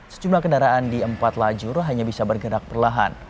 sejumlah kendaraan di empat lajur hanya bisa bergerak perlahan